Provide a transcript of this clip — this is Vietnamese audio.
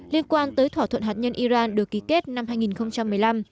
liên quan tới thỏa thuận hạt nhân iran được ký kết năm hai nghìn một mươi năm